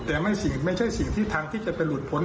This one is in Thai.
แต่ไม่ใช่สิ่งที่ทางที่จะเป็นหลุดผล